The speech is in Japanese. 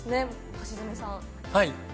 橋爪さん。